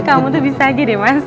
kamu tuh bisa aja deh mas